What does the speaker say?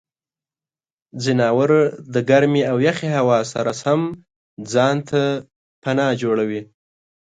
ځناور د ګرمې او یخې هوا سره سم ځان ته پناه جوړوي.